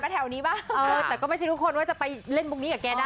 แต่ก็ไม่ใช่ทุกคนว่าจะไปเล่นพวกนี้กับแกได้นะ